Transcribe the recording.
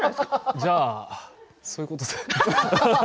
じゃあそういうことで。